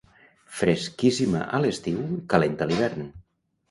Fresquíssima a l'estiu i calenta a l'hivern.